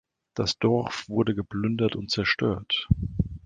Das Dorf wurde geplündert und zerstört.